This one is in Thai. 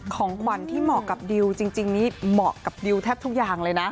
ของขวัญที่เหมาะกับดิวจริงนี้เหมาะกับดิวแทบทุกอย่างเลยนะ